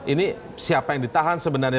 ini siapa yang ditahan sebenarnya